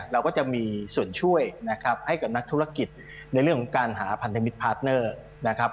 เราก็จะมีส่วนช่วยนะครับให้กับนักธุรกิจในเรื่องของการหาพันธมิตรพาร์ทเนอร์นะครับ